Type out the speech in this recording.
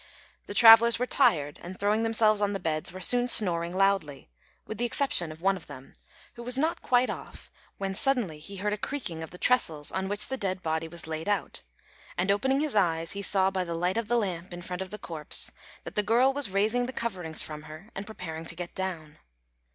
The travellers were tired, and, throwing themselves on the beds, were soon snoring loudly, with the exception of one of them, who was not quite off when suddenly he heard a creaking of the trestles on which the dead body was laid out, and, opening his eyes, he saw by the light of the lamp in front of the corpse that the girl was raising the coverings from her and preparing to get down.